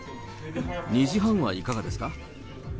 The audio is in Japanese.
２時半はいかがですか？